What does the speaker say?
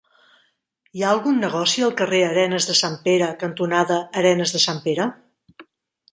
Hi ha algun negoci al carrer Arenes de Sant Pere cantonada Arenes de Sant Pere?